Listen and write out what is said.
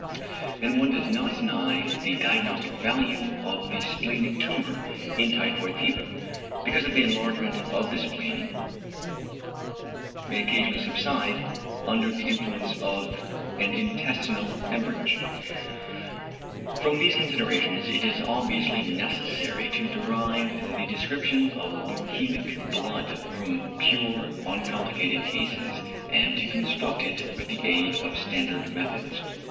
And one does not deny the diagnostic value of the splenic tumour in typhoid fever, because the enlargement of the spleen may occasionally subside, under the influence of an intestinal hæmorrhage. From these considerations it is obviously necessary to derive the description of leukæmic blood from pure uncomplicated cases; and to construct it with the aid of standard methods.